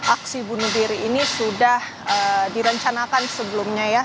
aksi bunuh diri ini sudah direncanakan sebelumnya ya